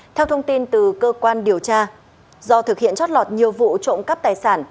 theo thông tin từ cơ quan điều tra do thực hiện trót lọt nhiều vụ trộm cắp tài sản